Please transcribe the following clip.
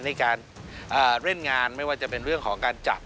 ในการเล่นงานไม่ว่าจะเป็นเรื่องของการจับ